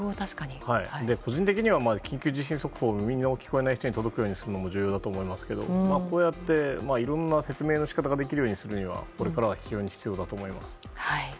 個人的には緊急地震速報を耳の聞こえない人に届くようにすることも大事だと思いますがこうやっていろんな説明の仕方ができるようにするのはこれからは非常に必要なことだと思います。